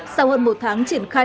sau hơn một tháng triển khai